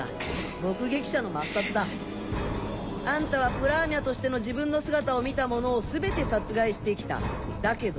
目撃者の抹殺だ。あんたはプラーミャとしての自分の姿を見た者を全て殺害してきただけど。